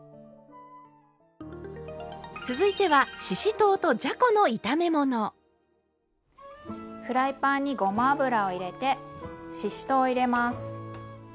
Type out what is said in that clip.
続いてはフライパンにごま油を入れてししとうを入れます。